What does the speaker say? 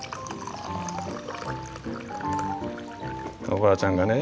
おばあちゃんがね